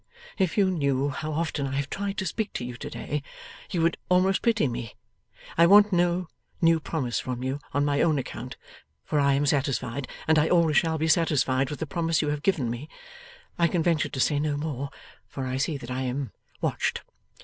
If you knew how often I have tried to speak to you to day, you would almost pity me. I want no new promise from you on my own account, for I am satisfied, and I always shall be satisfied, with the promise you have given me. I can venture to say no more, for I see that I am watched.